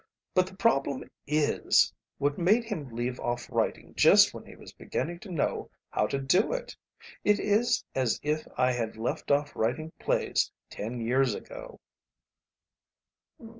But the problem is What made him leave off writing just when he was beginning to know how to do it? It is as if I had left off writing plays ten years ago."